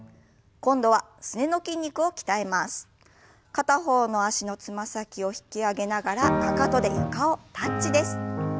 片方の脚のつま先を引き上げながらかかとで床をタッチです。